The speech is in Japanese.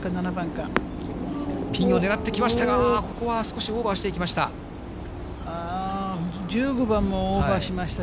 ピンを狙ってきましたが、あー、ここは少しオーバーしていきました。